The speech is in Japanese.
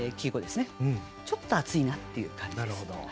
ちょっと暑いなっていう感じです。